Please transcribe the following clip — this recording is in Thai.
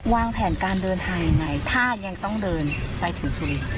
วางแผนการเดินไฮไหมถ้ายังต้องเดินไปสุรินทร์